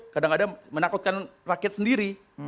kadang kadang menakutkan rakyat sendiri